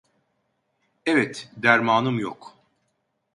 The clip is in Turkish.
Evet, dermanım yok…